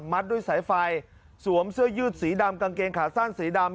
ด้วยสายไฟสวมเสื้อยืดสีดำกางเกงขาสั้นสีดำ